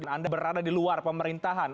anda berada di luar pemerintahan